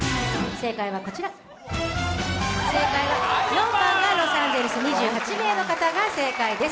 正解は４番がロサンゼルス、２８名の方が正解です。